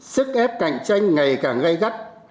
sức ép cạnh tranh ngày càng gây gắt